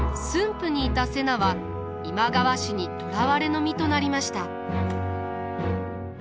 府にいた瀬名は今川氏に捕らわれの身となりました。